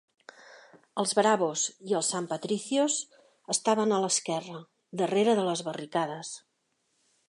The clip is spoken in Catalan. Els "Bravos" i els "San Patricios" estaven a l'esquerra, darrere de les barricades.